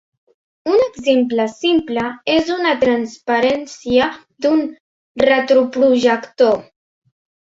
Un exemple simple és una transparència d'un retroprojector.